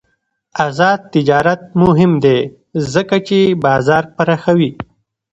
آزاد تجارت مهم دی ځکه چې بازار پراخوي.